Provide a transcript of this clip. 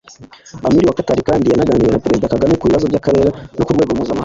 Amir wa Qatar kandi yanaganiriye na Perezida Kagame ku bibazo by’akarere no ku rwego mpuzamahanga